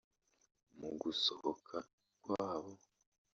Mu gusohoka kwabo